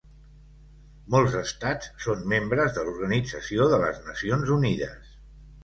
Molts estats són membres de l'Organització de les Nacions Unides.